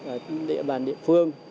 ở địa bàn địa phương